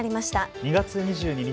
２月２２日